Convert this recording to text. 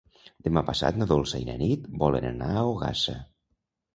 Demà passat na Dolça i na Nit volen anar a Ogassa.